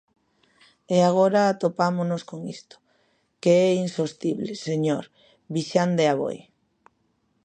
E agora atopámonos con isto, que é insostible, señor Vixande Aboi.